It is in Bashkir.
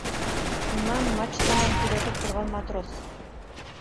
Шунан мачтанан күҙәтеп торған матрос: